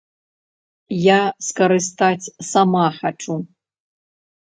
Я скарыстаць сама хачу.